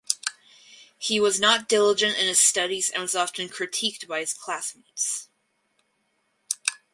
He was not diligent in his studies and was often critiqued by his classmates.